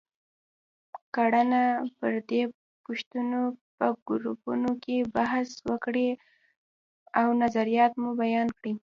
کړنه: پر دې پوښتنو په ګروپونو کې بحث وکړئ او نظریات مو بیان کړئ.